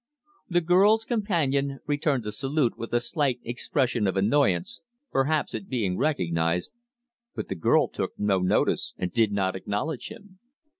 "_ The girl's companion returned the salute with a slight expression of annoyance, perhaps at being recognized, but the girl took no notice, and did not acknowledge him.